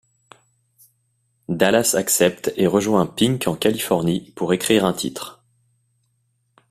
Dallas accepte et rejoint P!nk en Californie pour écrire un titre.